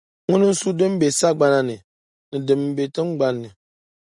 Ŋuna n-su din be sagbana ni, ni din be tiŋgbani.